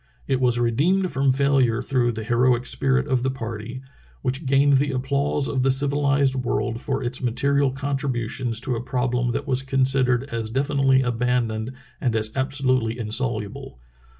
It was re deemed from failure through the heroic spirit of the party, which gained the applause of the civilized world for its material contributions to a problem that was considered as definitely abandoned and as absolutely insoluble.